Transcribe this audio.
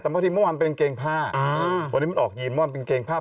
เมื่อที่มาเย็นเกงผ้า